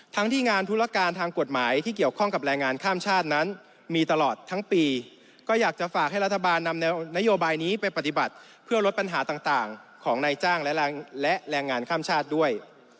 ที่งานธุรการทางกฎหมายที่เกี่ยวข้องกับแรงงานข้ามชาตินั้นมีตลอดทั้งปีก็อยากจะฝากให้รัฐบาลนำแนวนโยบายนี้ไปปฏิบัติเพื่อลดปัญหาต่างของนายจ้างและแรงงานข้ามชาติด้วย